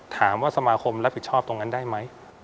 ถามว่าสมาคมรับผิดชอบตรงนั้นได้ไหม